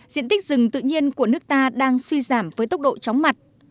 diện tích rừng tự nhiên của nước ta đang suy giảm với tốc độ chóng mặt